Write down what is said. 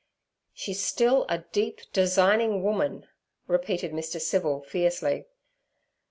'She's still a deep, designing woman' repeated Mr. Civil fiercely.